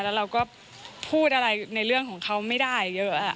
แล้วเราก็พูดอะไรในเรื่องของเขาไม่ได้เยอะ